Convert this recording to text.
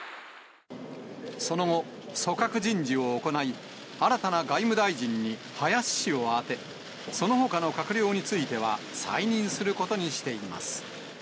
その後、組閣人事を行い、新たな外務大臣に林氏をあて、そのほかの閣僚については再任することにしています。